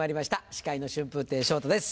司会の春風亭昇太です